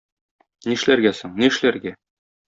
Нишләргә соң, нишләргә?